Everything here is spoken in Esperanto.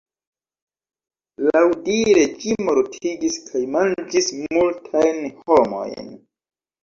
Laŭdire ĝi mortigis kaj manĝis multajn homojn.